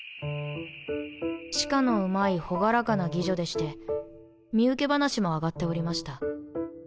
詩歌のうまいほがらかな妓女でして身請け話もあがっておりました。